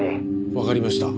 わかりました。